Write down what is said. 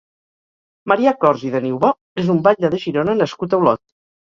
Marià Cors i de Niubò és un batlle de Girona nascut a Olot.